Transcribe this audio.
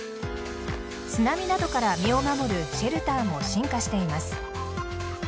津波などから身を守るシェルターも進化しています。